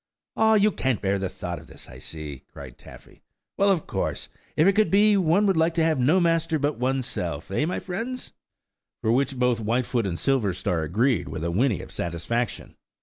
"Ah! you can't bear the thought of this, I see," cried Taffy. "Well, of course, if it could be, one would like to have no master but oneself–eh, my friends?" To which both Whitefoot and Silverstar agreed, with a whinny of satisfaction.